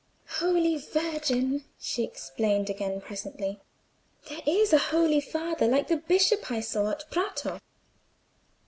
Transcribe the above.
"Holy Virgin!" she exclaimed again presently. "There is a holy father like the Bishop I saw at Prato."